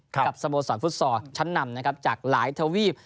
สโมสรฟุตซอลชั้นนำนะครับจากหลายทวีป